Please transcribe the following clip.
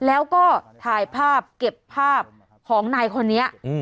แล้วก็ถ่ายภาพเก็บภาพของนายคนนี้